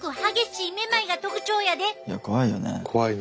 いや怖いよね。